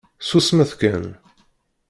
Susmet kan.